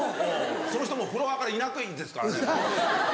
その人もうフロアからいないんですからね。